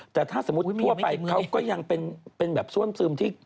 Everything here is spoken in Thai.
แต่ถ้าสมมุติทั่วไปเขาก็ยังเป็นแบบซ่วมซึมที่